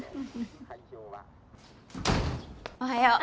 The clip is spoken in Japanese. おはよう。